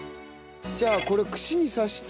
じゃあこれ串に刺して。